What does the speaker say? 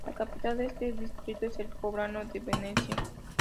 La capital de este distrito es el poblado de "Venecia".